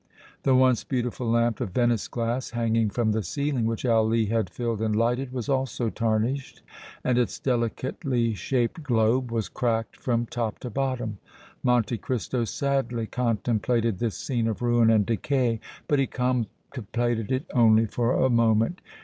The once beautiful lamp of Venice glass hanging from the ceiling, which Ali had filled and lighted, was also tarnished and its delicately shaped globe was cracked from top to bottom. Monte Cristo sadly contemplated this scene of ruin and decay, but he contemplated it only for a moment.